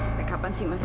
sampai kapan sih ma